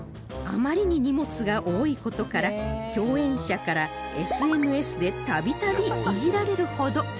あまりに荷物が多い事から共演者から ＳＮＳ で度々イジられるほど